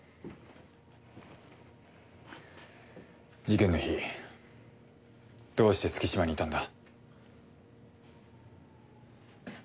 事件の日どうして月島にいたんだ？